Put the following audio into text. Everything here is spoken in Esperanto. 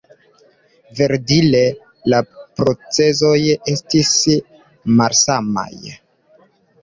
Verdire, la procezoj estis malsamaj.